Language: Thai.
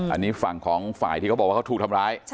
อันนี้ฝั่งของฝ่ายที่เขาบอกว่าเขาถูกทำร้าย